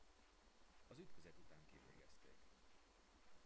Az ütközet után kivégezték.